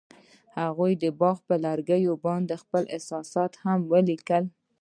هغوی د باغ پر لرګي باندې خپل احساسات هم لیکل.